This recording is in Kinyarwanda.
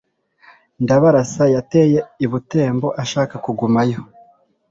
ndabarasa yateye i butembo ashaka kugumayo